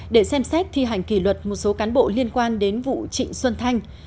để xem xét thi hành kỷ luật một số cán bộ liên quan đến vụ trịnh xuân thanh